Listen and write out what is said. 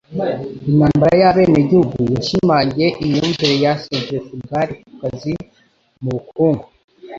Intambara y'abenegihugu yashimangiye imyumvire ya centrifugal ku kazi mu bukungu